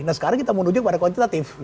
nah sekarang kita menuju kepada kuantitatif